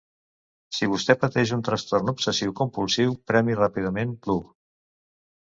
Si vostè pateix un trastorn obsessiu-compulsiu, premi repetidament l’u.